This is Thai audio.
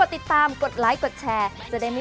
พอได้ครับ